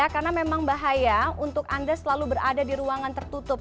karena memang bahaya untuk anda selalu berada di ruangan tertutup